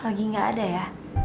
lagi gak ada ya